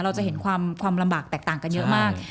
เราจะเห็นความลำบากแตกต่างกันเยอะมาก